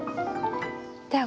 では